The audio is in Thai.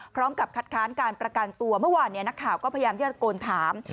พร้อมกับคัดค้านการประกันตัวเมื่อวานนักข่าวก็พยายามที่จะตะโกนถาม